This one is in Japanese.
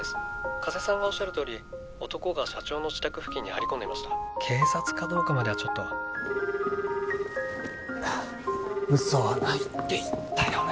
☎加瀬さんがおっしゃるとおり男が社長の自宅付近に☎張り込んでました警察かどうかまではちょっと嘘はないって言ったよね